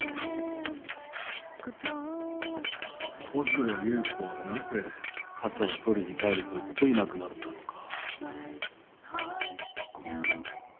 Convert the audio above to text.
細谷優子はなぜ傘を取りに帰ると言っていなくなったのか？